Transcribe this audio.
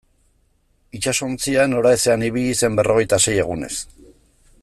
Itsasontzia noraezean ibili zen berrogeita sei egunez.